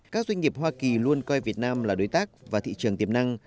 các doanh nghiệp hoa kỳ luôn coi việt nam là đối tác và thị trường tiềm năng